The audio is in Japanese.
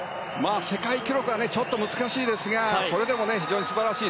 世界記録はちょっと難しいですがそれでも非常に素晴らしい。